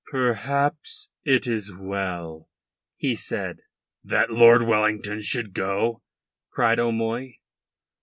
"Perhaps it is as well," he said. "That Lord Wellington should go?" cried O'Moy.